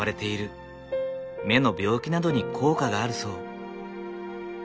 目の病気などに効果があるそう。